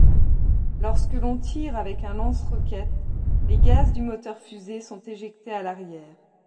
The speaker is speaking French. Lorsque l'on tire avec un lance-roquettes, les gaz du moteur-fusée sont éjectés à l'arrière.